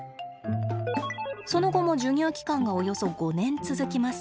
その後も授乳期間がおよそ５年続きます。